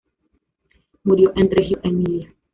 Murió en Reggio Emilia.